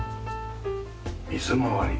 水回り。